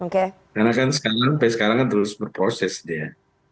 karena kan sekarang terus berproses dia